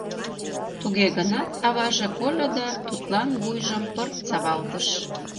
Туге гынат аваже кольо да тудлан вуйжым пырт савалтыш.